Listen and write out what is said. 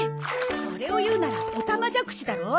それを言うならオタマジャクシだろ？